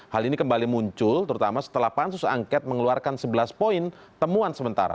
hal ini kembali muncul terutama setelah pansus angket mengeluarkan sebelas poin temuan sementara